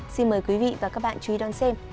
xin mời quý vị và các bạn chú ý đón xem